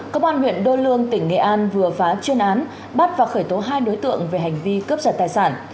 công an huyện đô lương tỉnh nghệ an vừa phá chuyên án bắt và khởi tố hai đối tượng về hành vi cướp giật tài sản